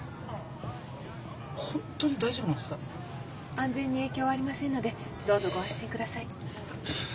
安全に影響ありませんのでどうぞご安心ください。